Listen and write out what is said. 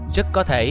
rất có thể